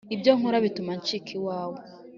ibyo nkora bituma ncika iwawe